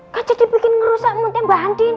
kan jadi bikin ngerusak moodnya mbak andin